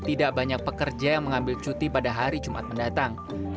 tidak banyak pekerja yang mengambil cuti pada hari jumat mendatang